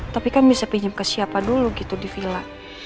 tapi kan bisa pinjam ke siapa dulu gitu di villa